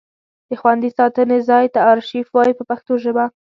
د خوندي ساتنې ځای ته ارشیف وایي په پښتو ژبه.